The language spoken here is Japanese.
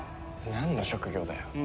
なんの職業だよ。